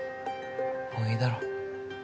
もういいだろ。